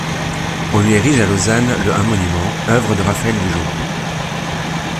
On lui érige à Lausanne le un monument, œuvre de Raphaël Lugeon.